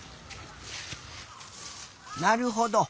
なるほど。